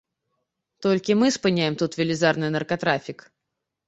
Толькі мы спыняем тут велізарны наркатрафік.